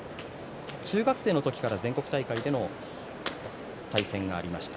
中学生の時から全国大会での対戦がありました。